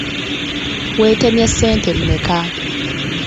Weetemye ssente mmeka?